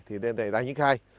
thì đề ra chuyển khai